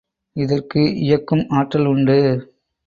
இதற்கு இயக்கும் ஆற்றல் உண்டு.